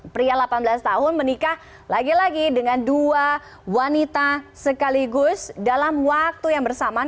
pria delapan belas tahun menikah lagi lagi dengan dua wanita sekaligus dalam waktu yang bersamaan